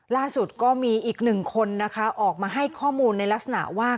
ล่าสุดก็มีอีกหนึ่งคนนะคะออกมาให้ข้อมูลในลักษณะว่า